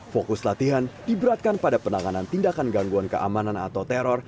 fokus latihan diberatkan pada penanganan tindakan gangguan keamanan atau teror